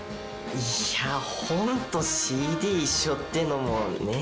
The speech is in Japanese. いや本とＣＤ一緒ってのもねぇ？